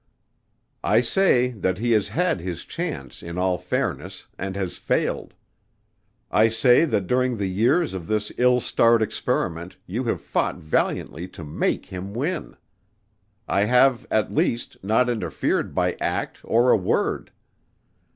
"I say that he has had his chance in all fairness and has failed. I say that during the years of this ill starred experiment you have fought valiantly to make him win. I have, at least, not interfered by act or a word.